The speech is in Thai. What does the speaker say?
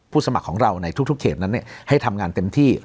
สมัครของเราในทุกเขตนั้นให้ทำงานเต็มที่